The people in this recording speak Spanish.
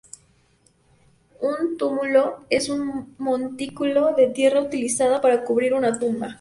Un túmulo es un montículo de tierra utilizada para cubrir una tumba.